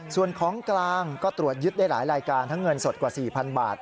ส่วนของกลางก็ตรวจยึดได้หลายรายการทั้งเงินสดกว่า๔๐๐๐บาท